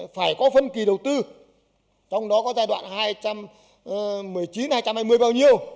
phải có phân kỳ đầu tư trong đó có giai đoạn hai nghìn một mươi chín hai nghìn hai mươi bao nhiêu